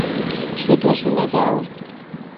শুধু শুনে যাও!